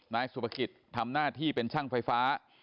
นายสุภกิจทำหน้าที่เป็นช่างไฟฟ้า